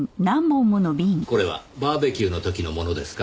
これはバーベキューの時のものですか？